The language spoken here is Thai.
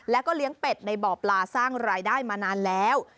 แล้วก็เลี้ยงเป็ดในบ่อปลาสร้างรายได้มานานแล้ว